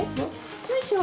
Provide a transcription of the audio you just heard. よいしょ！